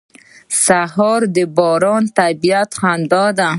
• د سهار باران د طبیعت خندا ده.